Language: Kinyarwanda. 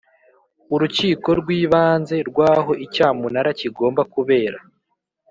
Ururkiko rw Ibanze rw aho icyamunara kigomba kubera